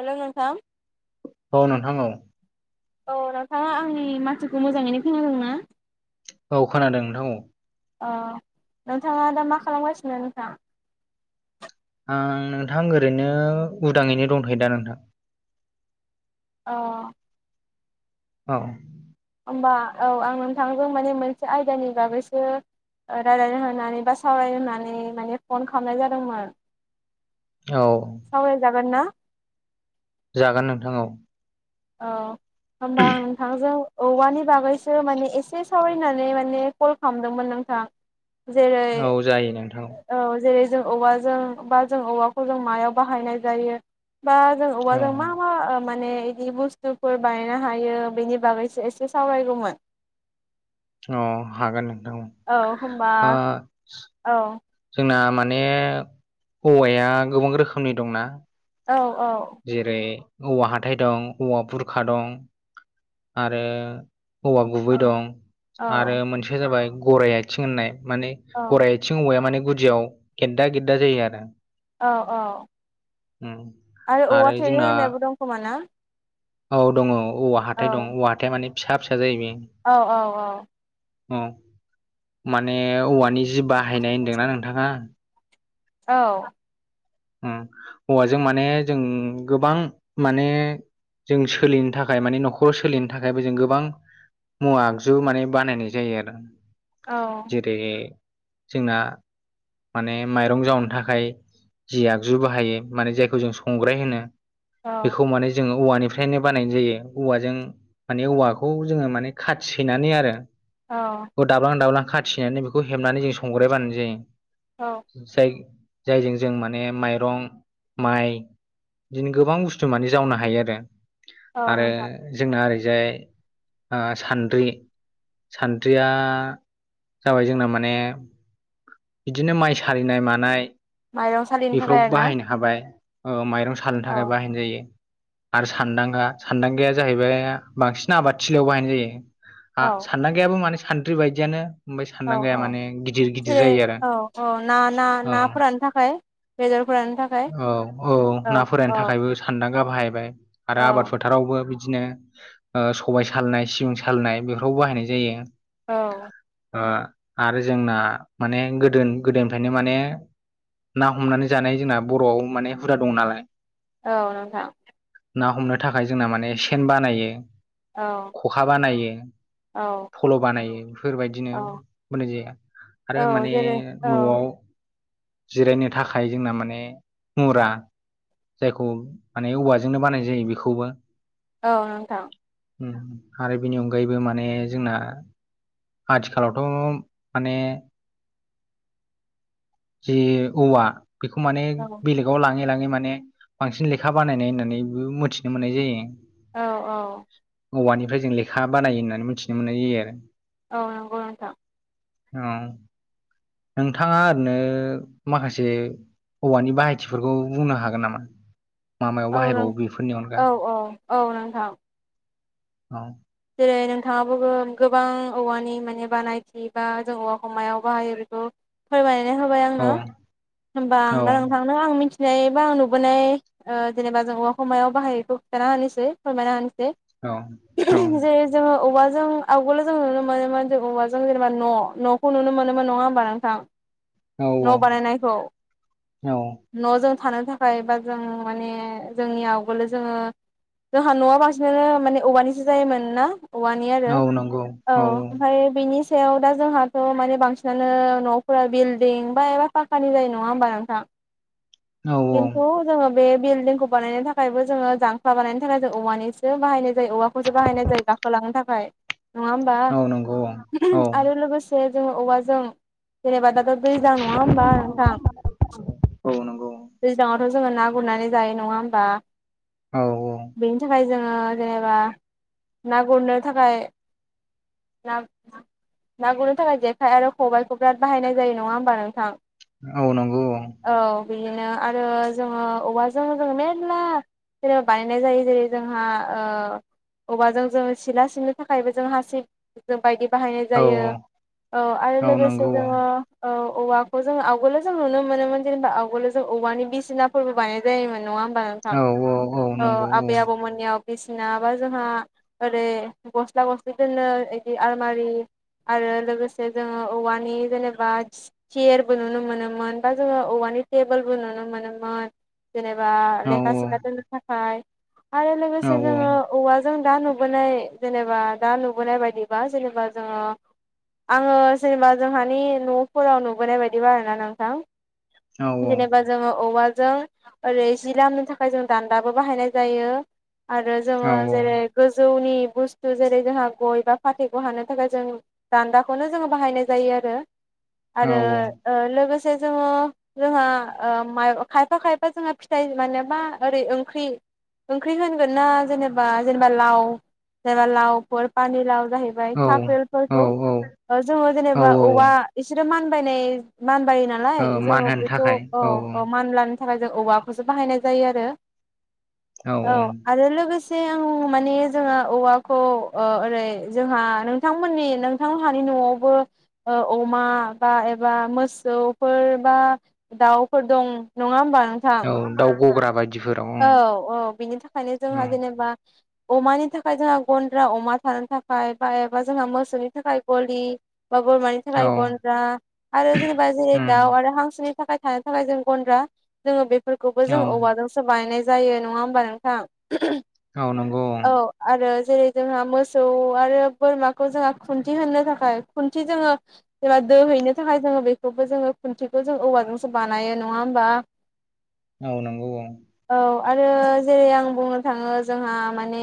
हेल' नोंथां । औ नोंथां औ । औ नोंथाङा आंनि मथिखौ मोजाङैनो खोनादों ना । औ खोनादों नोंथां औ । अ नोंथाङा दा मा खालामगासिनो नोंथां । आं नोंथां ओरैनो उदाङैनो दंथायोदा नोंथां । अ । औ । होमबा औ आं नोंथांजों माने मोनसे आयदानि बागैसो रायजलाय होनानै बा सावराय होननानै माने फन खालामनाय जादोंमोन। औ सावराय जागोन ना? जागोन नोंथां औ। औ होमबा आं नोंथांजों औवानि बागैसो माने एसे सावरायनानै माने कल खालामदोंमोन नोंथां। जेरै औ जायो नोंथां औ जेरै जों औवाजों बा जों औवाखौ जों मायाव बाहायनाय जायो। बा जों औवा औ जों मा मा माने बुु बनो ह बेनि बागै एसे सावराइगौमोन अ हागोन नोंथां ओ होमबा औ जंना माने औवाया गोबां रोखोमनि दंना। औ जेरै औवा हाथाइ दं औवा बुरखा दं आरो औवा गुबै औ दं औ आरो मोनसेया जाबाय गराइ आथिं होननाय। माने गराइ आथिं औवाया माने गुदियाव गेददा गेददा जायो आरो औ औ होम आरो औवा थेरि होननायबो दं खोमा ना? औ दङ औवा औ हाथाइ दं औवा हाथाइया माने फिसा फिसा जायो बे औ औ औ। औ माने औवानि जि बाहायनाय होनदोंना नोंथाङा? औ उम हौवाजों माने जों गोबां माने जों सोलिनो थाखाय माने न'खराव सोलिनो थाखायबो जों गोबां मुवा आगजु माने बानायनाय जायो आरो औ जेरै जोंना माने माइरं जावनो थाखाय जि आगजु बाहायो माने जायखौ जों संग्राय होनो औ बेखौ माने जोङो औवानिफ्रायनो बानायनाय जायो औवाजों माने औवाखौ जोङो माने खाथि सैनानै आरो औ [unintelligible] दाब्लां दाब्लां खाथिनानै बेखौ हेबनानै जों संग्राय बानो जायो। जाय जायजों जों माने माइरं माइ बिदिनो गोबां बुस्थु माने जावनो हायो आरो औ आरो नोंथां जोंना आरो [unintelligible] ओ सान्द्रि सानद्रिया जाबाय जोंना माने बिदिनो माइ सारिनाय मानाय माइरं सालिनो बेफोराव थाखाय आरोना बाहायनो हाबाय। ओ माइरं सालनो औ थाखाय बाहायनाय जायो। आरो सान्दांगा सान्दांगाया जाहैबाय बांसिन आबादथिलियाव बाहायनाय जायो आं औ सानदांगायाबो माने सानद्रि बायदियानो ओमाय औ सानदांगाया औ माने गिदिर गिदिर जायो आरो [unintelligible] औ औ नाा औ नाफोरानो थाखाय बेदरफोरानो थाखाय [inaudible] औ औ ना फरायनो थाखायबो सानदां गा बाहायबाय औ आरो आबाद फोथारावबो बिदिनो ओ सबायाइ सालनाय सिबिं सालनाय बेफोरावबो बाहायनाय जायो। औ ओ आरो जोंना माने गोदो गोदोनिफ्रायनो माने ना हमनानै जानाय जोंना बर'आव माने हुदा दं नालाय औ नोंथां ना हमनो थाखाय जोंना माने सेन बानायो औ खखा बानायो औ फल' बानायो बेफोरबायदिनो औ होननाय जायो औ आरो माने जेरै औ न'आव जिरायनो थाखाय जोंना माने मुरा जायखौ माने औवाजोंनो बानाय जायो बेखौबो औ नोंथां आरो बेनि अनगायैबो माने जोंना आथिखालावथ' माने जि औवा बेखौ माने औ बेलेगाव लाङै लाङै माने बांसिन लेखा बानायनाय होननानै मिथिनो मोननाय जायो औ औ औवानिफ्राय जों लेखा बानायो होननानै मिथिनो मोननाय जायो आरो औ नंगौ नोंथां औ नोंथाङा ओ माखासे हौवानि बाहायथिफोरखौ बुंनो हागोन नामा? मा मायाव औ नों बाहायबावो बेफोरनि अनगा औ औ औ नोंथां औ जे नोंथाङाबो गोबां औवानि माने बानायथि बा जों औवा हमायाव बाहायो बेखौ फोरमायनानै होबाय औ आंनो होनबा औ आं दा नोंथांनो आं मिथि [unintelligible] जेनेबा बा आं नुबोनाय ओ‌ जेनेबा जों औवाखौ मायाव बाहायखौ खिन्थाना होनोसै फोरमायना होनोसै औ जेरै जोङो औवा जों आवगोल जों नुनो मोनोमोन जों औवाजों जेनेबा न' न'खौ नुनो मोनोमोन नङा होम्बा नोंथां औ न' बानायनायखौ औ न'जों थानो थाखाय बा जों माने जोंनि आवगोलो जोङो जोंहा न'आव बांसिनानो माने औवानिसो जायोमोन ना औवानि आरो औ नंगौ औ ओमफ्राय बेनि सायाव दा जोंहाथ' माने बांसिनानो न'फोरा बिल्डिं बा एबा फाखानि जायो नङा होम्बा नोंथां औ औ खिन्थु जोङो बे बिल्डिंखौ बानायनो थाखायबो जोङो जांख्ला बानायनो थाखाय जों औवानिसो बाहायनाय जायो औवाखौ सो बाहायनाय जायो गाखोलांनो थाखाय नङा होम्बा औ नंगौ औ आरो लोगोसे जोङो औवाजों जेनेबा दाथ' दैज्लां नङा होम्बा नोंथां औ नंगौ। दैज्लां थ' जोङो ना गुरनानै जायो नङा होमबा औ औ बेनि थाखाय जोङो जेनेबा ना गुरनो थाखाय ना ना गुरनो थाखाय जेखाइ आरो खबाइखौ बिराद बाहायनाय जायो नङा होमबा नोंथां औ नंगौ औ बिदिनो आरो जोङो औवाजों जोङो मेर्ला जेनबा बानायनाय जायो जेरै जोंहा औवा जों जोङो सिला सिबनो थाखायबो जों हासिब जों बायदि बाहायनाय औ जायो औ आरो लोगोसे जोङो औ औवाखौ जों आवगोलो जों नुनो मोनोमोन जेनेबा आवगोलो जों औवानि बिसिनाफोरबो बानायनाय जायोमोन नङा हो नोंथां औ औ नंगौ आबै-आबौमोननियाव बायदिसिना बा जोंहा ओरै गस्ला-गस्लि दोनो बिदि आलमारि आरो लोगोसे जोङो औवानि जेनेबा सियेरबो नुनो मोनोमोन बा जोङो औवानि नि टेबोल बो नुनो मोनोमोन जेनेबा औ लेखा-सिखा दोननो थाखाय आरो औ औ लोगोसे जोङो औवा जों दा नुबोनाय जेनेबा दा नुबोनाय बायदिबा जेनेबा जोङो आङो जेनेबा जोंहानि न'फोराव नुबोनाय बायदि बारोना नोंथां जेनेबा जोंङ औवा जों ओरै जि लामनो थाखाय जों दान्दाबो बाहायनाय जायो आरो जोङो जेरै गोजौनि बुस्थु जेरै जोंहा गय बा फाथैखौ हानो थाखाय जों दान्दाखौनो जोङो बाहायनाय जायो आरो आरो ओ लोगोसे से जोङो जोंहा ओ मा खायफा-खायफा जोंहा फिथाइ माने मा ओरै ओंख्रि ओंख्रि होनगोन ना जेनेबा जेनेबा लाव जेनेबा लावफोर पानि लाव जाहैबाय औ [unintelligible] जोंङो औ जेनेबा औ औवा इसोर मानबायनाय जायोना [unintelligible] मान जोङो होनो बेखौ थाखाय ओ औ मानला [unintelligible] जों औवाखौसो बाहायनाय जायो आरो औ आरो लोगो आं माने जोंङो औवाखौ ओ ओरै जोंहा नोंथांमोननि नोंथांहानि न'आवबो ओ अमा बा एबा मो फोर बा दाउफोर दं नङा होमबा नोंथां औ दाउ गग्रा बाय औ औ बिनि थाखायनो औ जोंहा जेनेबा अमानि थाखाय जोंहा गन्द्रा अमा थानो थाखाय बा एबा जोंहा मोसौनि थाखाय गलि बा बोरमानि औ थाखाय गन्द्रा आरो जेनेबा जेरै उम दाउ आरो हांसोनि थाखाय थानो थाखाय जों गन्द्रा जोङो बेफोरखौबो जों औ औवाजोंसो बानायनाय जायो नङा होमबा नोंथां औ नंगौ औ जेरै जोंहा मोसौ आरो बोरमाखौ जोंहा खुन्थि होनो थाखाय खुन्थि जोङो जे दोहैनो थाखाय जोङो बेखौबो जोङो खुन्थिखौ जों औवाजोंसो बानायो नङा होम्बा । औ नं औ। आरो जेरै आं बुंनो थाङो जोंहा माने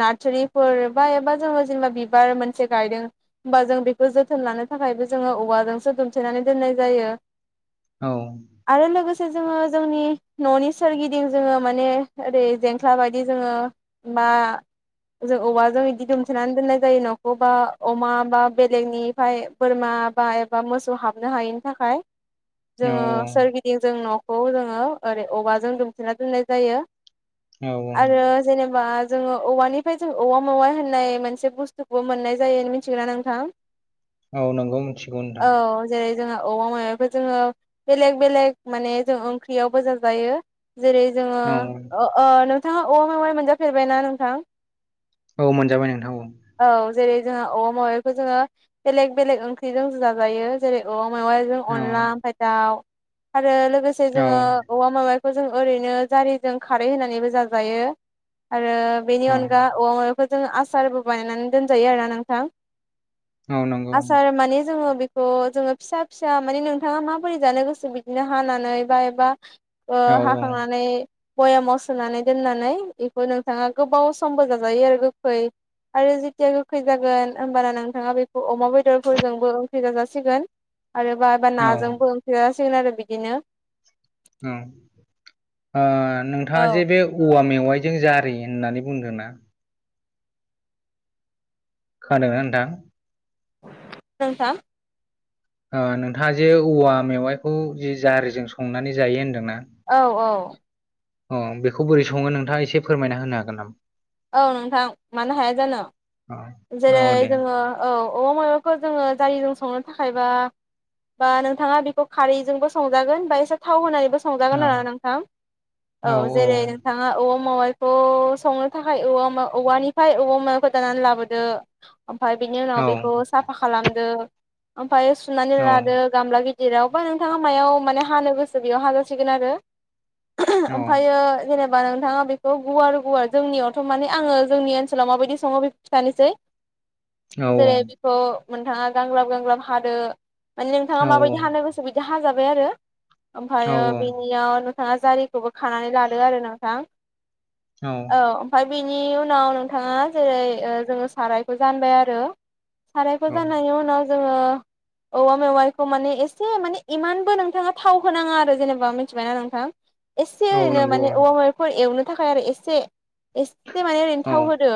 नार्चारिफोर बा एबा जोङो बिबार मोनसे गायदों होमबा जों बेखौ जोथोन लानो थाखायबो जोङो औवाजोंसो दुमथेनानै दोननाय जायो औ आरो लोगोसे जोङो जोंनि ननि सोरगिदिं जोङो माने ओरै जेंख्ला बायदि जोङो मा जों औवाजों इदि दुमथेनानै दोननाय जायो न'खौ बा अमा बा बेलेगनिफ्राय बोरमा बा एबा मोसौ हाबनो हायैनि थाखाय। औ जोङो सोरगिदिं जों न'खौ जोङो ओरै अवाजों दुमथेना दोननाय जायो। औ आरो जेनेबा जोङो औवानिफ्राय जों औवा मावाय होननाय मोनसे बुस्थुखौबो मोननाय जायो मिथिगौना नोंथां। औ नोंगौ मिथिगौ नोंथां। औ जेरै जोंहा औवा [unintelligible] जोङो बेलेग बेलेग माने जों ओंख्रियावबो जाजायो। जेरै जोङो औ ओ नोंथाङा अमा मेवाय मोनजाफेरबायना नोंथां। औ मोनजाबाय नोंथां औ। जेरै जोंहा औवा मेवायखौ बेखौ जोङो बेलेग बेलेग ओंख्रिजों जाजायो जेरै औ मेवायजों औ अनला आमफाय दाउ आरो लोगोसे औ जोङो औवा मेवाय खौ जों ओरैनो जारिजों खारै होनानैबो जाजायो। आरो बेनि औ अनगा औवा मावायखौ जोङो आसारबो बानायनानै दोनजायो आरोना नोंथां। औ नंगौ आसार माने जोङो बे [unintelligible] जोङो फिसा फिसा माने नोंथाङा माबोरै जानो गोसो बिदिनो हानानै बा एबा ओ औ हाखांनानै भयामाव सोनानै दोननानै बेखौ नोंथाङा गोबाव समबो जाजायो आरो गोखै। आरो जेथिया गोखै जागोन होमबाना नोंथाङा बेखौ अमा बेदरफोरजोंबो ओंख्रि जाजासिगोन। आरोबा बा औ नाजोंबो ओंख्रि जासिगोन आरो बिदिनो। ओम ओ औ नोंथाङा जे बे औवा मेव आइजों जारि होननानै बुंदों ना। खोनादों ना नोंथां। [unintelligible] ओ नोंथाङा जे औवा मेवाइखौ जे जारिजों संनानै जायो होनदोंना। औ औ। अ बेखौ बोरै सङो नोंथाङा एसे फोरमायना होनो हागोन नामा। औ नोंथां मानो हाया जानो। जेरै औ औ दे जोङो औ औवा मेवायखौ जोङो जारिजों संनो थाखायबा बा नोंथाङा बेखौ खारैजोंबो संजागोन बा एसे थाव होनानैबो औ संजागोन आरो नोंथां औ जेरै नोंथाङा औवा [unintelligible] थ संनो थाखाय औ औवानिफ्राय औवा मेवायखौ दानना लाबोदो। ओमफाय बिनि उनाव औ बेखौ साफा खालामदो ओमफाय सुनानै औ लादो गामला गि जेरावबा नोंथाङा मायाव माने हानो गोसो बेयाव हाजासिगोन आरो। औ ओमफायो जेने [unintelligible] नोंथाङा बेखौ गुवार गुवार जोंनियावथ' माने आङो जोंनि ओनसोलाव माबायदि सङो बेखौ खिथानोसै। औ जेरै बेखौ नोंथाङा गांग्राब गांग्राब हादो। माने नोंथाङा औ माबायदि हानो गोसो बिदि हाजाबाय आरो औ ओमफायो बेनियाव नो नोंथाङा जारिखौबो खानानै लादो आरो नोंथां औ ओमफाय बिनि उनाव नोंथाङा जेरै ओ जोङो सारायखौ जानबाय आरो। सारायखौ औ जानायनि उनाव जोङो औवा मेवायखौ माने एसे माने इमानबो नोंथाङा थाव होनाङा आरो जेनेबा मिथिबायना नोंथां। एसे औ ओरैनो नंगौ माने औवा [unintelligible] एवनो थाखाय आरो एसे। एसे माने ओरैनो औ थाव होदो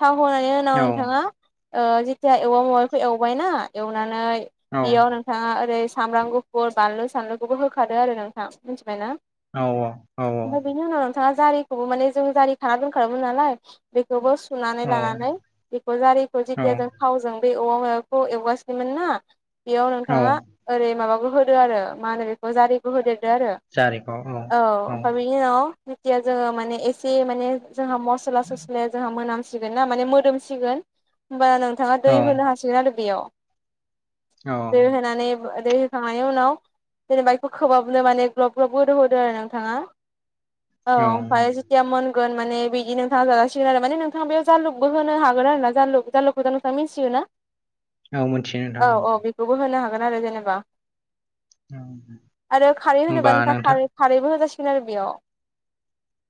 थाव होनानै औ उनाव नोंथाङा ओ जेथिया एवा माबाखौ एवबायना एवनानै औ बेयाव नोंथाङा ओरै सामब्राम गुफुर बानलु सानलुखौबो होखादों आरो नोंथाङा मिथिबायना औ औ औ औ ओमफ्राय बेनि उनाव नोंथाङा जारिखौबो माने जों जारि खाना दोनखोमोन नालाय बेखौबो सुनानै लानानै बेखौ जारिखौ औ जेथिया जों थावजों बे औवा माखौ एवगासिनोमोन ना बेयाव औ नोंथाङा ओरै माबखौो होदो आरो मा होनो बेखौ जारिखौ होदो आरो औ ओमफ्राय बेनि उनाव जेथिया जोङो माने एसे माने जोंहा मस्ला सस्लाया जोंहा मोनामसिगोन ना माने मोदोमसिगोन होमबा नोंथाङा औ दै होनो हासिगोन आरो बेयाव औ दै होनानै दै होखांनायनि उनाव जेनै बाइकखौ खोबाबनो माने ग्लब ग्लब होदो होदो आरो नोंथाङा औ औ ओमफ्राय जथिया मोनगोन माने बिदि नोंथाङा जागासिगोन आरो माने नोंथाङा बेयाव जालुकबो होनो हागोन आरो ना जालु जालुखौ जानुफ्रा मिथियोना औ मिथियो नोंथां औ औ बेखौबो होनो हागोन आरो जेनेबा औ आरो खारै होमबा होनोबा नोंथां नोंथाङा खारैबो होजासिगोन आरो बेयाव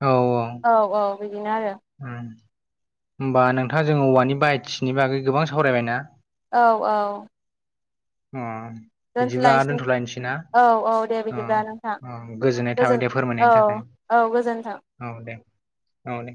औ औ औ बिदिनो आरो उम होमबा नोंथाङा जों औवानि बायथिनि बागै गोबां सावरायबायना औ औ हम बिदिब्ला दोनथ'लायनोसै ना औ दे औ बिदिब्ला नोंथां औ गोजोननाय थाबाय गोजोन दे औ फोरमायनायनि थाखाय औ गोजोन्थों औ दे औ दे